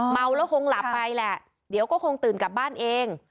เมาแล้วคงหลับไปแหละเดี๋ยวก็คงตื่นกลับบ้านเอง